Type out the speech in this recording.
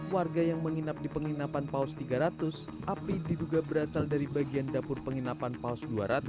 warga yang menginap di penginapan paus tiga ratus api diduga berasal dari bagian dapur penginapan paus dua ratus